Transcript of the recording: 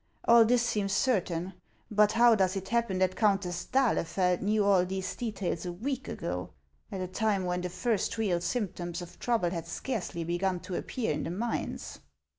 All this seems certain ; but how does it happen that Countess d'Ahlefeld knew all these details a week ago, at a time when the first real symptoms of trouble had scarcely begun to appear in the mines